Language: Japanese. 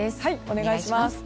お願いします。